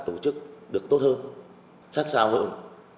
thủ chức được tốt hơn sát sao hơn